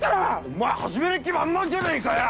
お前始める気満々じゃねえかよ！